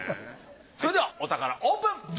それではお宝オープン。